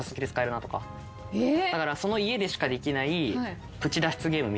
だからその家でしかできない。